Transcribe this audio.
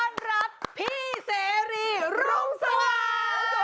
ต้อนรับพี่เสรีรุ่นตา